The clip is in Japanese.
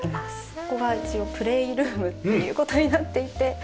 ここが一応プレイルームっていう事になっていて。